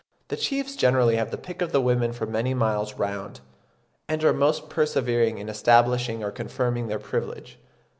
"the chiefs generally have the pick of the women for many miles round, and are most persevering in establishing or confirming their privilege."